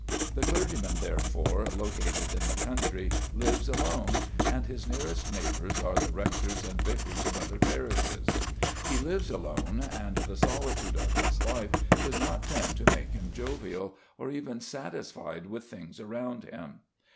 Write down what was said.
The clergyman, therefore, located in the country lives alone, and his nearest neighbours are the rectors and vicars of other parishes. He lives alone, and the solitude of his life does not tend to make him jovial, or even satisfied with things around him.